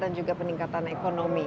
dan juga peningkatan ekonomi